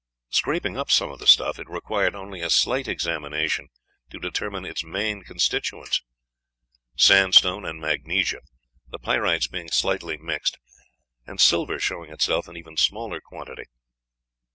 Scraping up some of the stuff, it required only a slight examination to determine its main constituents sandstone and magnesia, the pyrites being slightly mixed, and silver showing itself in even smaller quantity.